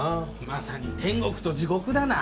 まさに天国と地獄だな。